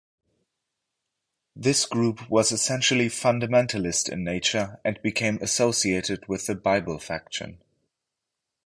This group was essentially fundamentalist in nature, and became associated with the "Bible" faction.